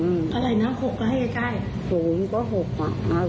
อะไรนะ๖ก็ให้ใกล้